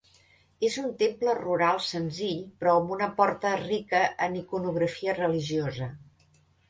És un temple rural senzill però amb la porta rica en iconografia religiosa.